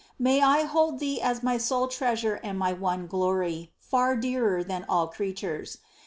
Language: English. May I hold Thee as my sole Treasure and my one glory, far dearer than all creatures.